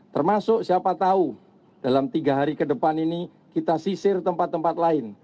termasuk siapa tahu dalam tiga hari ke depan ini kita sisir tempat tempat lain